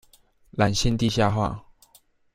纜線地下化